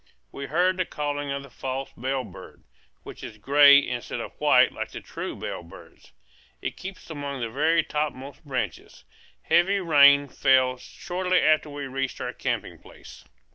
We heard the calling of the false bellbird, which is gray instead of white like the true bellbirds; it keeps among the very topmost branches. Heavy rain fell shortly after we reached our camping place.